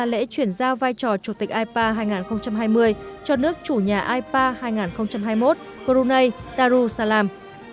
cũng tại lễ chuyển giao vai trò chủ tịch ipa hai nghìn hai mươi cho nước chủ nhà ipa hai nghìn hai mươi một brunei darussalam